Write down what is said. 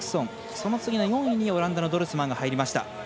その次の４位にオランダのドルスマンが入りました。